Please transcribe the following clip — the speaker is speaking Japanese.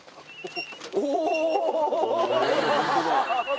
お！